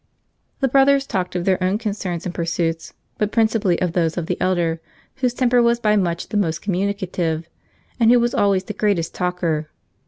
The brothers talked of their own concerns and pursuits, but principally of those of the elder, whose temper was by much the most communicative, and who was always the greater talker.